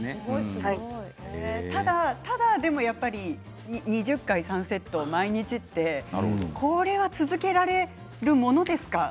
ただ２０回３セットを毎日ってこれは続けられるものですか？